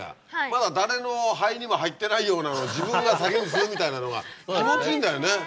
まだ誰の肺にも入ってないようなのを自分が先に吸うみたいなのが気持ちいいんだよね。